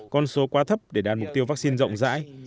con số quá thấp để đạt mục tiêu vaccine rộng rãi